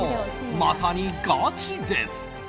まさにガチです。